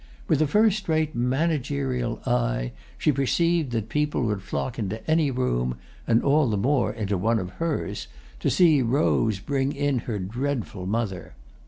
With a first rate managerial eye she perceived that people would flock into any room—and all the more into one of hers—to see Rose bring in her dreadful mother.